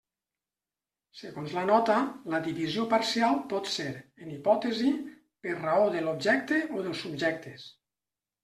Segons la nota, la divisió parcial pot ser, en hipòtesi, per raó de l'objecte o dels subjectes.